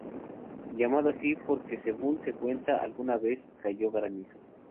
Llamado así porque según se cuenta alguna vez cayó granizo.